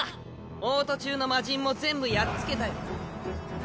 王都中の魔神も全部やっつけたよ。